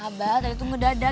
abah tadi tuh ngedadak